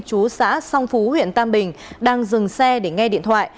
chú xã song phú huyện tam bình đang dừng xe để nghe điện thoại